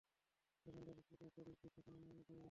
যেখান থেকে কিডন্যাপ করেছিলো, ঠিক সেখানেই নামিয়ে দিয়ে গেছে।